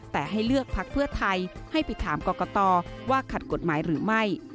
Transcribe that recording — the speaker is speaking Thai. แต่ให้เลือกพักเพื่อไทยให้ไปถามกรกตว่าขัดกฎหมายหรือไม่